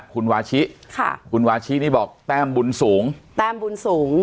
คุณวาชิค่ะคุณวาชินี่บอกแต้มบุญสูงแต้มบุญสูง